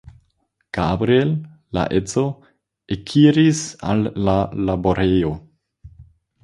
Gabriel, la edzo, ekiris al la laborejo.